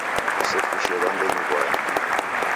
Kusefushe w'ambenyu w'uaya.